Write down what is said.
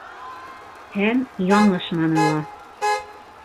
Һәм яңылышманы ла.